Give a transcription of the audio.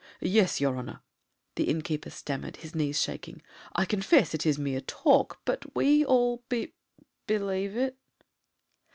"Yes, your honour!" the innkeeper stammered, his knees shaking; "I confess it is mere talk, but we all be be lieve it."